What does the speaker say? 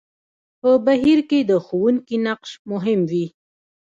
په بهير کې د ښوونکي نقش مهم وي.